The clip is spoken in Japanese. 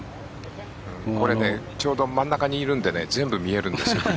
これ、ちょうど真ん中にいるんで全部見えるんですよ。